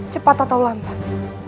cepat atau lambat